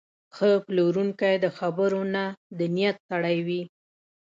ښه پلورونکی د خبرو نه، د نیت سړی وي.